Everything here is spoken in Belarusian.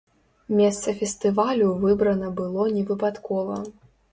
Месца фестывалю выбрана было невыпадкова.